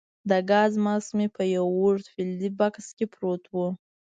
د ګاز ماسک مې په یو اوږد فلزي بکس کې پروت وو.